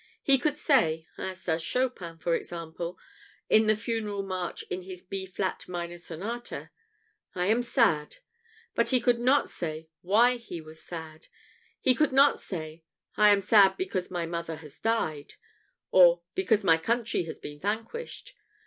He could say as does Chopin, for example, in the funeral march in his B flat minor sonata "I am sad"; but he could not say why he was sad; he could not say, "I am sad because my mother has died," or "because my country has been vanquished."